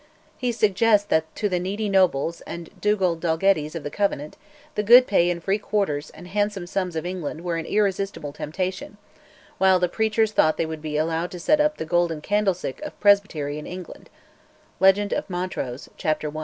He suggests that to the needy nobles and Dugald Dalgettys of the Covenant "the good pay and free quarters" and "handsome sums" of England were an irresistible temptation, while the preachers thought they would be allowed to set up "the golden candlestick" of presbytery in England ('Legend of Montrose,' chapter i.)